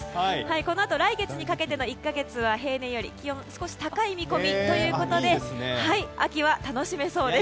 このあと来月にかけての１か月は平年より気温が少し高い見込みということで秋は楽しめそうです。